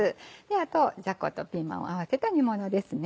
あとじゃことピーマンを合わせた煮物です。